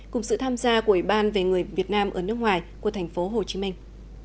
cùng sự tham gia của ủy ban về người việt nam ở nước ngoài của thành phố hồ chí minh